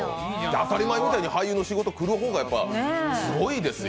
当たり前みたいに俳優の仕事来る方がすごいですよ。